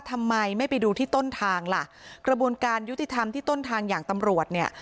ทำไมไม่ไปดูที่ต้นทางล่ะกระบวนการยุติธรรมที่ต้นทางอย่างตำรวจเนี่ย